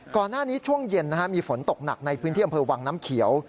ก่อนหน้านี้ช่วงเย็นมีฝนตกหนักในพื้นที่อำเภอวังน้ำเขียว